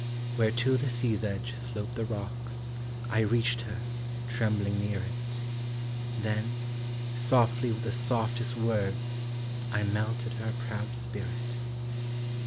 Where to the sea's edge slope the rocks, I reached her, trembling near it. Then, softly with the softest words, I melted her proud spirit.